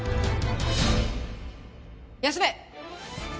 休め。